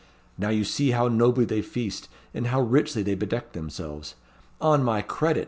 Now you see how nobly they feast, and how richly they bedeck themselves. On my credit!